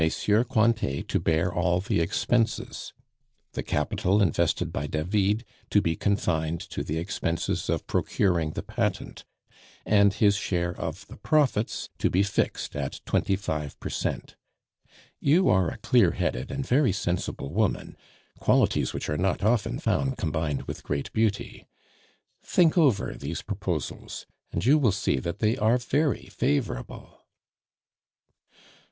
Cointet to bear all the expenses, the capital invested by David to be confined to the expenses of procuring the patent, and his share of the profits to be fixed at twenty five per cent. You are a clear headed and very sensible woman, qualities which are not often found combined with great beauty; think over these proposals, and you will see that they are very favorable."